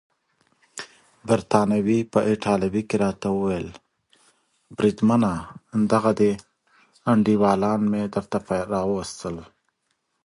بریتانوي په ایټالوي کې راته وویل: بریدمنه دغه دي ایټالویان مې درته راوستل.